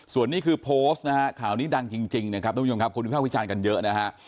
ส่วนนี้คือโพสต์นะครับข่าวนี้ดังจริงนะครับคุณผู้ชายพิชาญกันเยอะนะฮะ